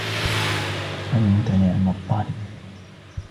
أنت نِعْمَ الطالب.